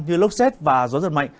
như lốc xét và gió giật mạnh